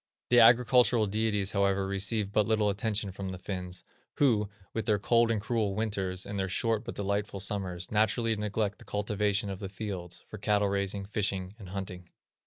The agricultural deities, however, receive but little attention from the Finns, who, with their cold and cruel winters, and their short but delightful summers, naturally neglect the cultivation of the fields, for cattle raising, fishing, and hunting.